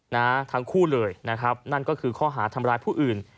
นะทั้งคู่เลยนะครับนั่นก็คือข้อหาทำร้ายผู้อื่น